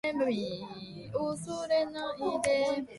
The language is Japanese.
バス停のベンチに座りながら、僕は駅まで歩いていくことを考える